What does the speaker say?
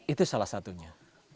itu salah satunya